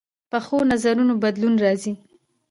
پخو نظرونو بدلون راځي